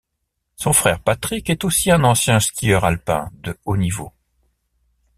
Son frère Patrick est aussi un ancien skieur alpin de haut niveau.